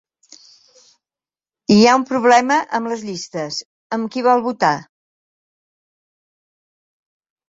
Hi ha un problema amb les llistes, amb qui pot votar?